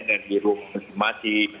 dan di rumah masing masing